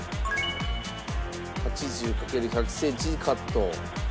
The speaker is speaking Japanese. ８０×１００センチにカット。